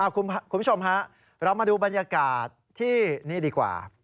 คุณผู้ชมฮะเรามาดูบรรยากาศที่นี่ดีกว่า